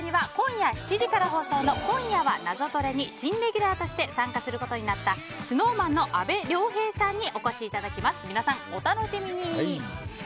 そして、せきららスタジオには今夜７時から放送の「今夜はナゾトレ」に新レギュラーとして参加することになったＳｎｏｗＭａｎの阿部亮平さんにお越しいただきます。